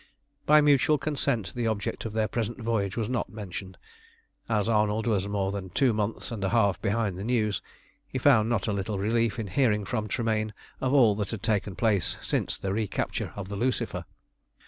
By mutual consent the object of their present voyage was not mentioned. As Arnold was more than two months and a half behind the news, he found not a little relief in hearing from Tremayne of all that had taken place since the recapture of the Lucifer.